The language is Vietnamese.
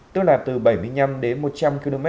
tức là từ bảy mươi năm đến một trăm linh km